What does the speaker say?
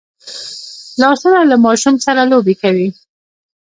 لاسونه له ماشوم سره لوبې کوي